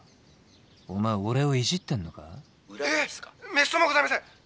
めっそうもございません！」。